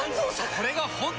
これが本当の。